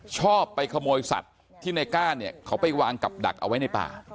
ชอบไปขโมยสัตว์ที่ในก้านเนี่ยเขาไปวางกับดักเอาไว้ในป่า